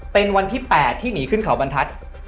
เป็นวันที่๘ที่หนีขึ้นเขาบรรทัศน์